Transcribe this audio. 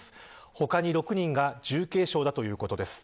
他に６人が重軽傷だということです。